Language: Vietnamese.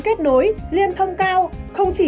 kết nối liên thông cao không chỉ